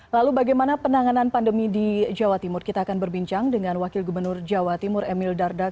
lalu bagaimana penanganan pandemi di jawa timur kita akan berbincang dengan wakil gubernur jawa timur emil dardak